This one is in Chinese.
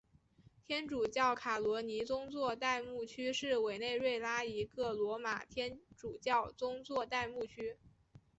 天主教卡罗尼宗座代牧区是委内瑞拉一个罗马天主教宗座代牧区。